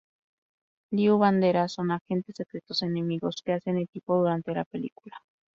Liu y Banderas son agentes secretos enemigos que hacen equipo durante la película.